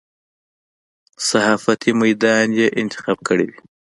صحافتي میدان یې انتخاب کړی وي.